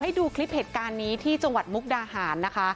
ดูคลิปเหตุการณ์นี้ที่จังหวัดมุกดาหารนะคะ